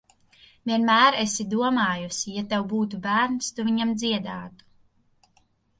Vienmēr esi domājusi, ja tev būtu bērns, tu viņam dziedātu.